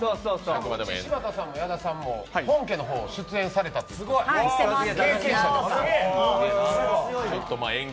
柴田さんも矢田さんも本家の方、出演されたということで、経験者。